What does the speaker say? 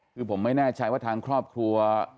คือผมไม่แน่ใจว่าทางครอบครัว